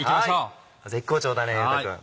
絶好調だね結太くん。